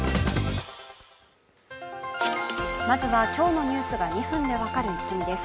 まずは今日のニュースが２分で分かるイッキ見です。